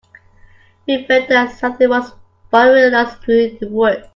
We felt that something was following us through the woods.